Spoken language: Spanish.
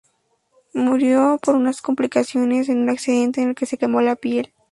Murió por unas complicaciones en un accidente en el que se quemó la piel.